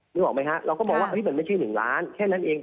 นึกออกไหมฮะเราก็มองว่ามันไม่ใช่๑ล้านแค่นั้นเอง